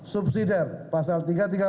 subsidi pasal tiga ratus tiga puluh delapan